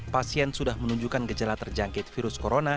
pasien sudah menunjukkan gejala terjangkit virus corona